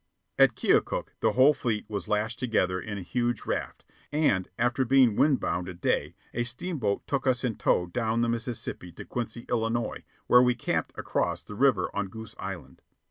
At Keokuk the whole fleet was lashed together in a huge raft, and, after being wind bound a day, a steamboat took us in tow down the Mississippi to Quincy, Illinois, where we camped across the river on Goose Island.